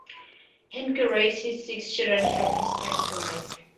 Hanke raised his six children from his first wife.